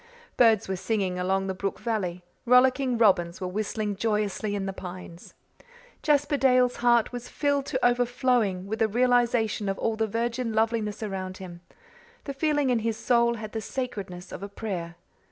Birds were singing along the brook valley. Rollicking robins were whistling joyously in the pines. Jasper Dale's heart was filled to over flowing with a realization of all the virgin loveliness around him; the feeling in his soul had the sacredness of a prayer.